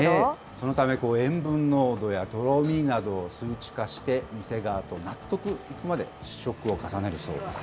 そのため、塩分濃度やとろみなどを数値化して、店側と納得いくまで、試食を重ねるそうです。